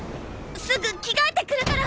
すぐ着替えてくるから！